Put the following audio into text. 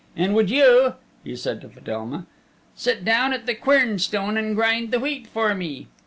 And would you," said he to Fedelma, "sit down at the quern stone and grind the wheat for me?"